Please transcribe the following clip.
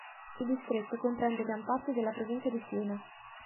Il distretto comprende gran parte della provincia di Siena.